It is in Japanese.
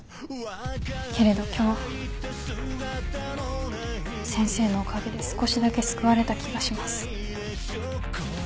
けれど今日先生のおかげで少しだけ救われた気がします。